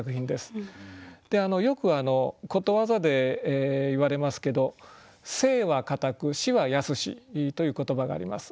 よくことわざで言われますけど「生は難く死は易し」という言葉があります。